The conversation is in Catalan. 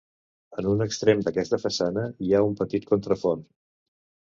En un extrem d'aquesta façana hi ha un petit contrafort.